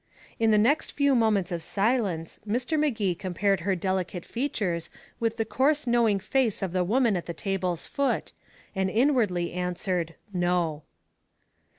In the first few moments of silence Mr. Magee compared her delicate features with the coarse knowing face of the woman at the table's foot, and inwardly answered "No."